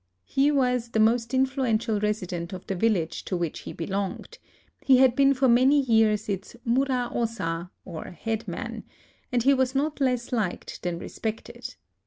He was the most influential resident of the village to which he belonged : he had been for many years its muraosa, or headman ; and he was not less liked than respected.